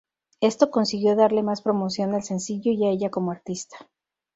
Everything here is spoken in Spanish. Esto consiguió darle más promoción al sencillo y a ella como artista.